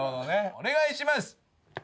お願いします！